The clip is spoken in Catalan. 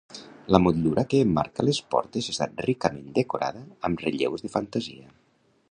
La motllura que emmarca les portes està ricament decorada amb relleus de fantasia.